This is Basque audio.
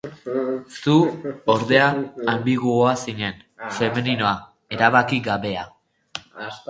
Zu, ordea, anbiguoa zinen, femeninoa, erabaki gabea.